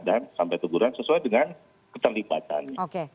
dan sampai keguran sesuai dengan keterlibatannya